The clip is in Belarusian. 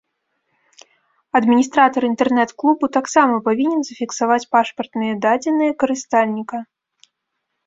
Адміністратар інтэрнэт-клубу таксама павінен зафіксаваць пашпартныя дадзеныя карыстальніка.